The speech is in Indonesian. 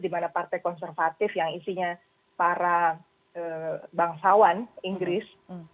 dimana partai konservatif yang isinya para bangsawan inggris